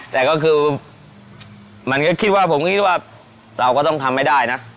แต่ก็คือมันก็คิดว่าผมคิดว่าเราก็ต้องทำให้ได้นะ